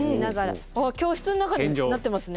あっ教室の中になってますね。